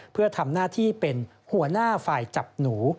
เพื่อทำหน้าที่เป็นหัวหน้าฝ่ายจับหนู